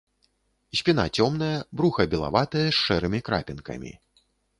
Спіна цёмная, бруха белаватае з шэрымі крапінкамі.